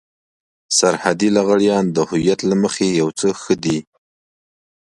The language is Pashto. سرحدي لغړيان د هويت له مخې يو څه ښه دي.